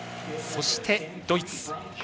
そして、ドイツ。